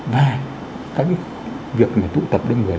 và các cái việc mà tụ tập đơn người